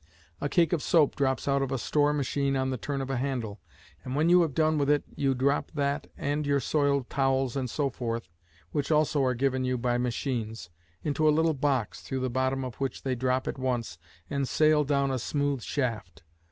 A cake of soap drops out of a store machine on the turn of a handle, and when you have done with it, you drop that and your soiled towels and so forth, which also are given you by machines, into a little box, through the bottom of which they drop at once, and sail down a smooth shaft.